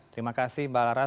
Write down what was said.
terima kasih mbak laras